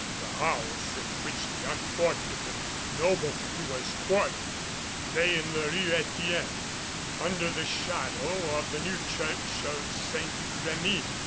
The house in which the unfortunate nobleman was quartered lay in the Rue Etienne under the shadow of the new church of Saint Remi.